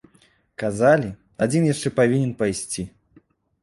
Казалі, адзін яшчэ павінен пайсці.